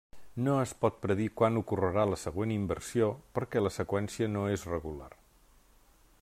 No es pot predir quan ocorrerà la següent inversió, perquè la seqüència no és regular.